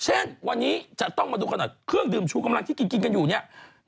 เช่นวันนี้จะคุณมาดูก่อนหน่อยเครื่องดื่มชูกำลังที่กินกันอยู่นี้